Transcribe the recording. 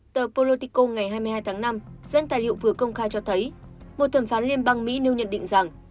tờ protico ngày hai mươi hai tháng năm dẫn tài liệu vừa công khai cho thấy một thẩm phán liên bang mỹ nêu nhận định rằng